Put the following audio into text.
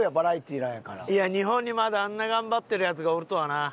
いや日本にまだあんな頑張ってるヤツがおるとはな。